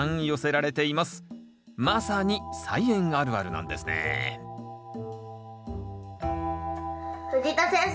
まさに「菜園あるある」なんですね藤田先生